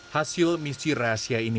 hasil misi rahasia ini